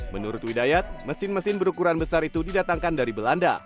menurut widayat mesin mesin berukuran besar itu didatangkan dari belanda